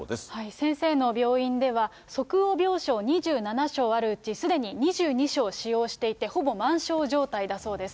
先生の病院では、即応病床２７床あるうち、すでに２２床使用していて、ほぼ満床状態だそうです。